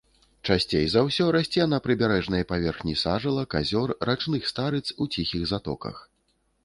Часцей за ўсё расце на прыбярэжнай паверхні сажалак, азёр, рачных старыц, у ціхіх затоках.